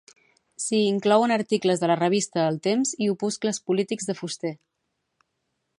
S'hi inclouen articles de la revista El Temps i opuscles polítics de Fuster.